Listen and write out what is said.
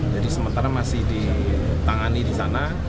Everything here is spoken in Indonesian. jadi sementara masih ditangani di sana